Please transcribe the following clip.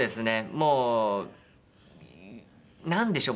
もうなんでしょう。